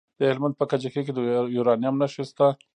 د هلمند په کجکي کې د یورانیم نښې شته.